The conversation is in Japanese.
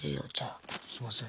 すいません。